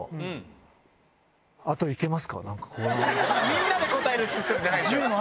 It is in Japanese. みんなで答えるシステムじゃないです。